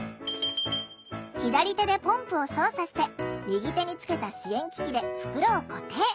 左手でポンプを操作して右手につけた支援機器で袋を固定。